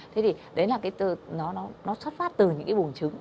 thế thì đấy là cái tư nó xuất phát từ những cái buông trứng